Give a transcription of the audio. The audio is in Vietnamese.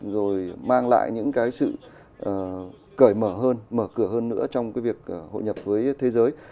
rồi mang lại những cái sự cởi mở hơn mở cửa hơn nữa trong cái việc hội nhập với thế giới